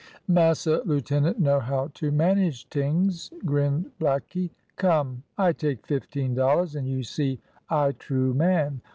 "Massa lieutenant know how to manage tings," grinned blackie. "Come, I take fifteen dollars, and you see I true man.